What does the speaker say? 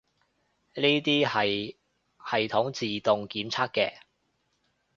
呢啲係系統自動檢測嘅